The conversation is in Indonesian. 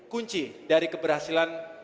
kunci dari keberhasilan